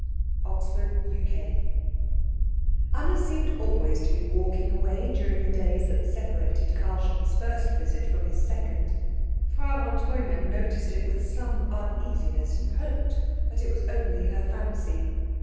CHAPTER XXI Anna seemed always to be walking away during the days that separated Karlchen's first visit from his second. Frau von Treumann noticed it with some uneasiness, and hoped that it was only her fancy.